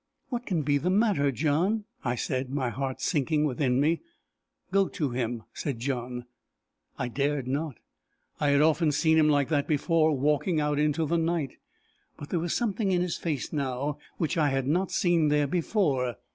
"What can be the matter, John?" I said, my heart sinking within me. "Go to him," said John. I dared not. I had often seen him like that before walking out into the night; but there was something in his face now which I had not seen there before.